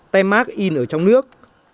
tem mát in ở trong nước